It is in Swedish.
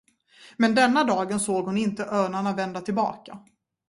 Men denna dagen såg hon inte örnarna vända tillbaka.